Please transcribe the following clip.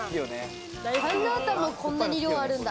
サンラータンもこんなに量あるんだ。